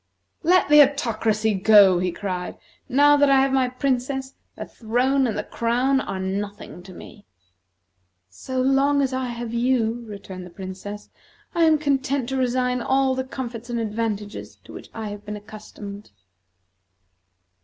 "Let the Autocracy go!" he cried. "Now that I have my Princess, the throne and the crown are nothing to me." "So long as I have you," returned the Princess, "I am content to resign all the comforts and advantages to which I have been accustomed."